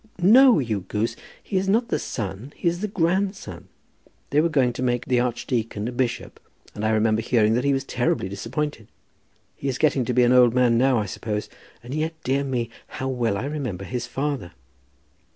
"No, you goose. He is not the son; he is the grandson. They were going to make the archdeacon a bishop, and I remember hearing that he was terribly disappointed. He is getting to be an old man now, I suppose; and yet, dear me, how well I remember his father."